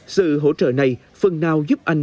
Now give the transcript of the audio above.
sự hỗ trợ này phần nào giúp anh